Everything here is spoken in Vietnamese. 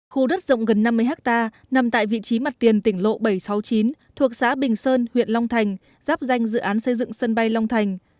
khu đất rộng gần năm mươi hectare nằm tại vị trí mặt tiền tỉnh lộ bảy trăm sáu mươi chín thuộc xã bình sơn huyện long thành giáp danh dự án xây dựng sân bay long thành